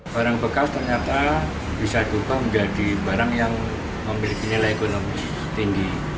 barang bekas ternyata bisa diubah menjadi barang yang memiliki nilai ekonomi tinggi